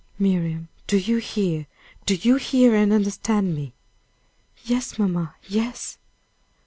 Miriam, do you hear do you hear and understand me?" "Yes, mamma; yes."